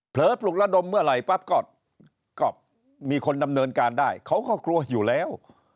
ปลุกระดมเมื่อไหร่ปั๊บก็มีคนดำเนินการได้เขาก็กลัวอยู่แล้ว